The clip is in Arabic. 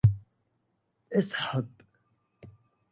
اسحب!